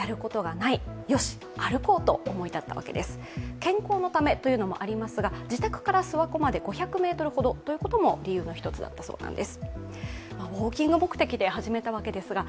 健康のためというのもありますが、自宅から諏訪湖まで５００ｍほどということも理由の一つだったそうなんです。